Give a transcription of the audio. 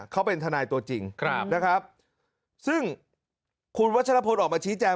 เขาเป็นทนายตัวจริงนะครับซึ่งคุณวัชรพลออกมาชี้แจง